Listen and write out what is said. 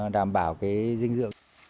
đảm bảo dinh dự